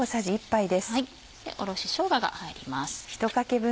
おろししょうがが入ります。